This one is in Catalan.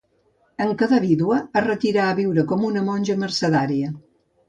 En quedar vídua es retirà a viure com una monja mercedària.